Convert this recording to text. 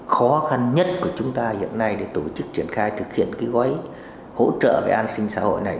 khó khăn nhất của chúng ta hiện nay để tổ chức triển khai thực hiện cái gói hỗ trợ về an sinh xã hội này